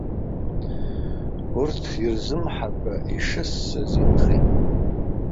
Урҭ ирзымҳакәа ишыссаз инхеит.